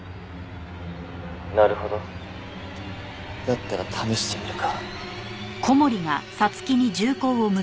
「なるほど」だったら試してみるか。